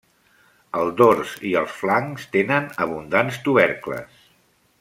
El dors i els flancs tenen abundants tubercles.